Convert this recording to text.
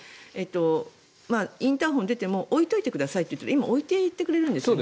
インターホン出ても置いておいてくださいというと今置いていってくれるんですね。